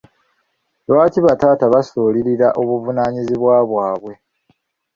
Lwaki bataata basuulirira obuvunaanyizibwa bwabwe.